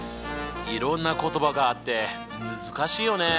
いろんな言葉があって難しいよね。